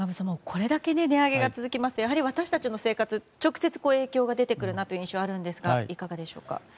これだけ値上げが続きますとやはり私たちの生活に直接影響が出てくるなという印象があるんですがいかがでしょうか。